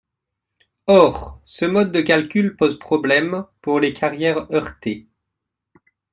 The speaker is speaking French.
Or ce mode de calcul pose problème pour les carrières heurtées.